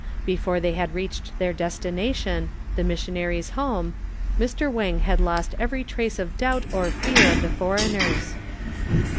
Before they had reached their destination, the missionary's home, Mr. Wang had lost every trace of doubt or fear of the foreigners.